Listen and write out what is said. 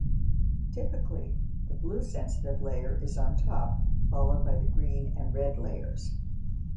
Typically the blue-sensitive layer is on top, followed by the green and red layers.